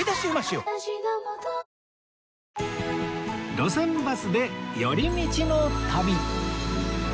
『路線バスで寄り道の旅』